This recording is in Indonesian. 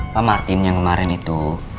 pak martin yang kemarin itu